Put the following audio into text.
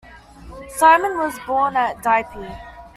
Simon was born at Dieppe.